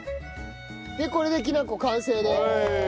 これできなこ完成です！